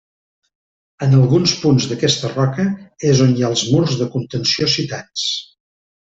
En alguns punts d'aquesta roca és on hi ha els murs de contenció citats.